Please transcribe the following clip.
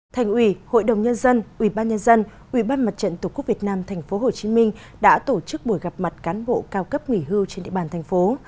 thành ủy hội đồng nhân dân ubnd ubnd tqvn tp hcm đã tổ chức buổi gặp mặt cán bộ cao cấp nghỉ hưu trên địa bàn thành phố